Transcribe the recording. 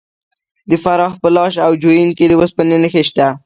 د فراه په لاش او جوین کې د وسپنې نښې شته.